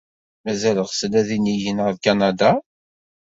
Mazal ɣsen ad inigen ɣer Kanada?